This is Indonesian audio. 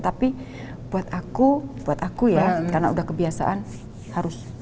tapi buat aku ya karena sudah kebiasaan harus